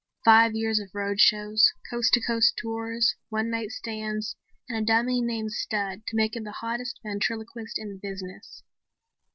Five years of road shows, coast to coast tours, one night stands and a dummy named Spud to make him the hottest ventriloquist in the business.